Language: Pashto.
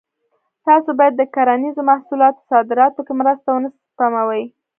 تاسو باید د کرنیزو محصولاتو صادراتو کې مرسته ونه سپموئ.